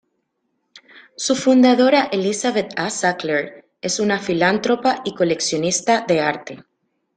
Su fundadora, Elizabeth A. Sackler, es una filántropa y coleccionista de arte.